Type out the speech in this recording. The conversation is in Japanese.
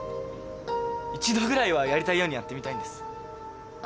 一度ぐらいはやりたいようにやってみたいんです。